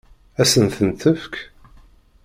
Ad sent-tent-tefk?